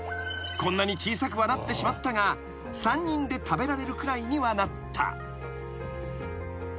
［こんなに小さくはなってしまったが３人で食べられるくらいにはなった］